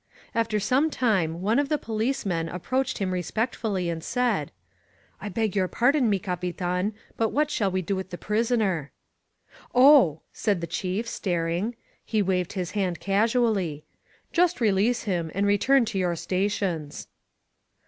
After some time one of the policemen approached him respectfully and said: ^I beg you pardon, mi capitan, but what shall we do with the prisoner?" 0h!" said the Chief, staring. He waved his hand casually. ^Just release him and return to your sta tions."